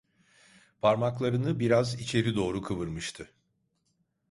Parmaklarını biraz içeri doğru kıvırmıştı.